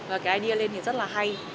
và cái idea lên thì rất là hay